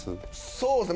そうっすね